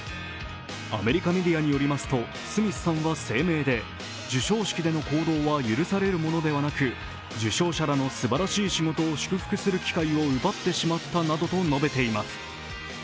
アメリカメディアによりますと、スミスさんは声明で授賞式での行動は許されるものではなく受賞者らのすばらしい仕事を祝福する機会を奪ってしまったなどと述べています。